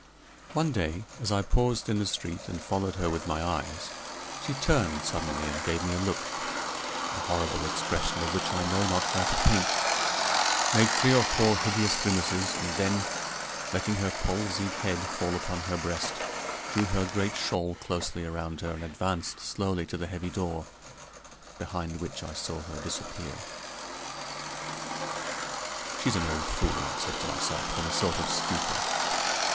One day as I paused in the street and followed her with my eyes, she turned suddenly and gave me a look, the horrible expression of which I know not how to paint; made three or four hideous grimaces, and then, letting her palsied head fall upon her breast, drew her great shawl closely around her, and advanced slowly to the heavy door, behind which I saw her disappear. "She's an old fool!" I said to myself, in a sort of stupor.